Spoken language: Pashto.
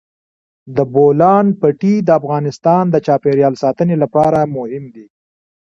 د بولان پټي د افغانستان د چاپیریال ساتنې لپاره مهم دي.